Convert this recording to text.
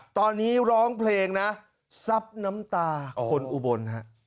ตอนนี้ร้องเพลงนะซับน้ำตาคนอุบลฮะ